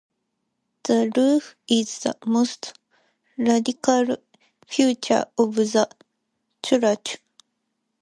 The roof is the most radical feature of the church.